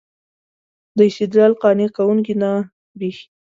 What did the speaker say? دا استدلال قانع کوونکی نه برېښي.